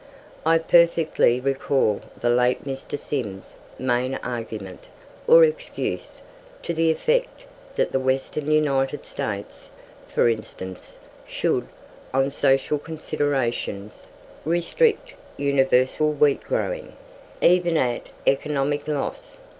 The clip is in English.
I perfectly recall the late Mr. Syme's main argument, or excuse, to the effect that the Western United States, for instance, should, on social considerations, restrict universal wheat growing, even at economic loss.